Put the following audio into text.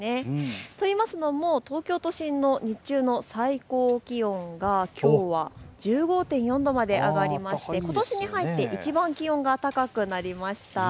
といいますのも東京都心の日中の最高気温がきょうは１５．４度まで上がりましてことしに入っていちばん気温が高くなりました。